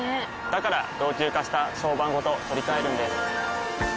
から老朽化した床版ごと取り替えるんです。